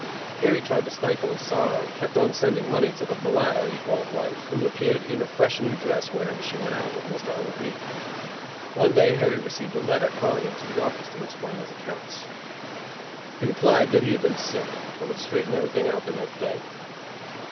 Harry tried to stifle his sorrow and kept on sending money to the bladder he called wife, who appeared in a fresh new dress whenever she went out with Mr. O. B. One day Harry received a letter, calling him to the office to explain his accounts. He replied that he had been sick, but would straighten everything out the next day.